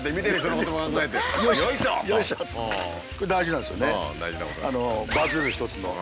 これ大事なんですよね。